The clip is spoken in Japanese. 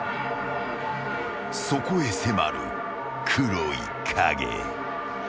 ［そこへ迫る黒い影］